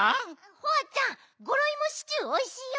ホワちゃんゴロいもシチューおいしいよ。